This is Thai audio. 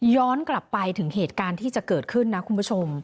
กลับไปถึงเหตุการณ์ที่จะเกิดขึ้นนะคุณผู้ชม